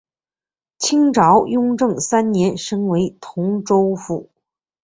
清朝雍正三年升为同州府。